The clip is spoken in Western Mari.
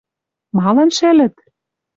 — Малын шӹлӹт?